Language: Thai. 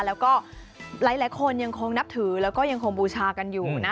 แล้วก็หลายคนยังคงนับถือแล้วก็ยังคงบูชากันอยู่นะ